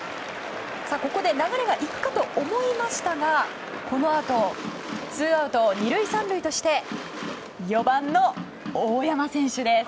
ここで流れが行くかと思いましたがこのあとツーアウト２塁３塁として４番の大山選手です。